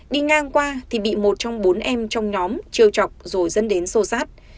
đi ngang qua thì bị một trong bốn em trong nhóm trêu chọc rồi dân đến sô sát